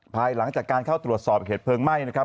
ภายหลังจากการเข้าตรวจสอบเหตุเพลิงไหม้นะครับ